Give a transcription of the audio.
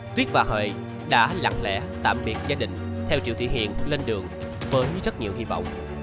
tuyết và hợi đã lặng lẽ tạm biệt gia đình theo triệu thị hiền lên đường với rất nhiều hy vọng